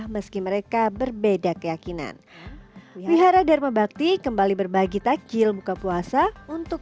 meski mereka berbeda keyakinan wihara dharma bakti kembali berbagi takjil buka puasa untuk